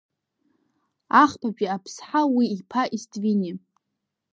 Ахԥатәи Аԥсҳа уи иԥа Иствине…